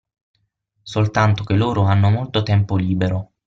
Soltanto che loro hanno molto tempo libero.